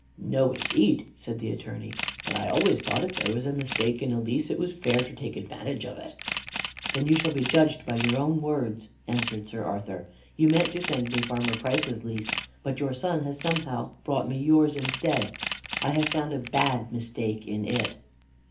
"No, indeed," said the Attorney, "but I always thought if there was a mistake in a lease it was fair to take advantage of it." "Then you shall be judged by your own words," answered Sir Arthur. "You meant to send me Farmer Price's lease, but your son has somehow brought me yours instead. I have found a bad mistake in it."